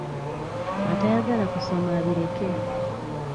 Atayagala kusoma abireke.